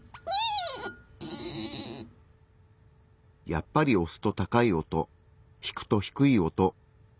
やっぱり押すと高い音引くと低い音。